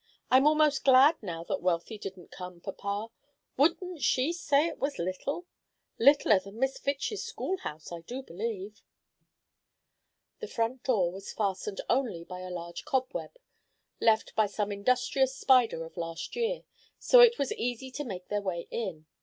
"I'm almost glad now that Wealthy didn't come, papa. Wouldn't she say it was little? Littler than Miss Fitch's schoolhouse, I do believe." The front door was fastened only by a large cobweb, left by some industrious spider of last year, so it was easy to make their way in.